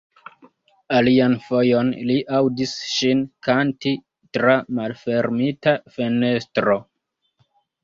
Alian fojon li aŭdis ŝin kanti tra malfermita fenestro.